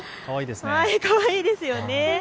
かわいいですよね。